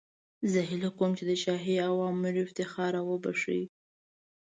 زه هیله کوم چې د شاهي اوامرو افتخار را وبخښئ.